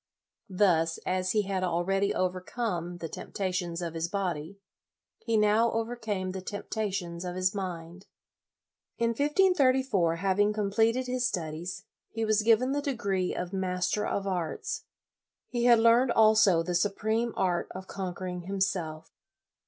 Thus, as he had already overcome the tempta tions of his body, he now overcame the temptations of his mind. In 1534, having completed his studies, he was given the degree of Master of Arts. He had learned also the supreme art of conquering him self.